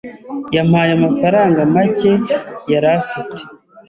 Yampaye amafaranga make yari afite.